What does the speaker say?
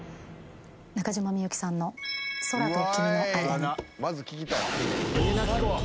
中島みゆきさんの『空と君のあいだに』